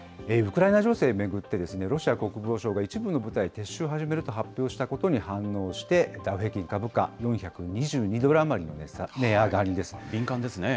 ウクライナ情勢を巡って、ロシア国防省が一部の部隊を撤収を始めると発表したことに反応して、ダウ平均株価４２２ドル余りの値上がりです。